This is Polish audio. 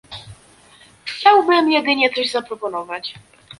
Chciałbym jedynie coś zaproponować